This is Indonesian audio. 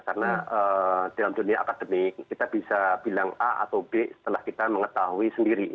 karena dalam dunia akademik kita bisa bilang a atau b setelah kita mengetahui sendiri